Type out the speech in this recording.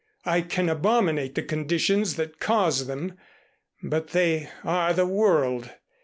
I can abominate the conditions that cause them, but they are the world.